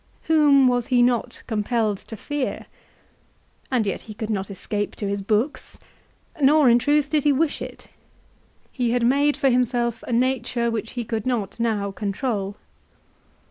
Whom was he not compelled to fear ? And yet he could not escape to his books. Nor in truth did he wi;h it. He had K 2 132 LIFE OF CICERO. made for himself a nature which he could not now control.